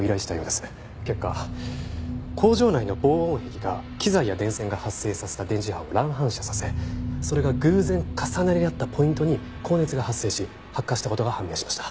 結果工場内の防音壁が機材や電線が発生させた電磁波を乱反射させそれが偶然重なり合ったポイントに高熱が発生し発火した事が判明しました。